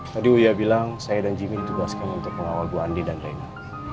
tadi wuyah bilang saya dan jimmy ditugaskan untuk mengawal bu andin dan rina